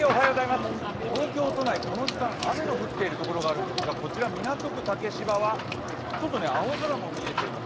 雨の降っているところがあるんですが、こちら港区竹芝は、ちょっと青空も見えてます。